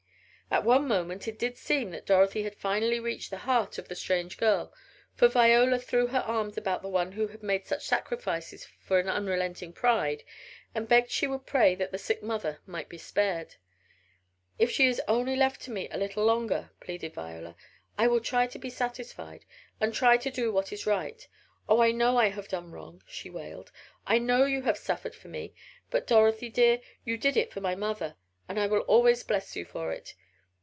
At one moment it did seem that Dorothy had finally reached the heart of the strange girl, for Viola threw her arms about the one who had made such sacrifices for an unrelenting pride, and begged she would pray that the sick mother might be spared. "If she is only left to me a little longer," pleaded Viola, "I will try to be satisfied, and try to do what is right. Oh, I know I have done wrong," she wailed. "I know you have suffered for me, but, Dorothy, dear, you did it for my mother, and I will always bless you for it.